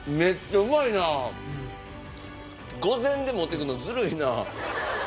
御膳で持ってくるのずるいな。